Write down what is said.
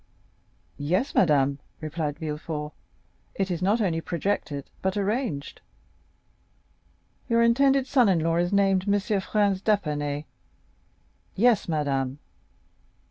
"Yes, madame," replied Villefort, "it is not only projected but arranged." "Your intended son in law is named M. Franz d'Épinay?" "Yes, madame."